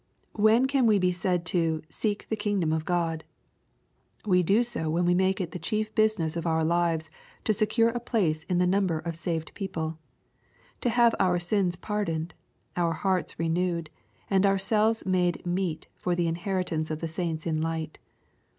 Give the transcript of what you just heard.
When can we be said to " seek the kingdom of God ?'' We do so when we make it the chief business of our lives to secure a place in the number of saved poojde, — to have our sins pardoned, our hearts renewed, and our selves made meet for the inheritance of the saints in light.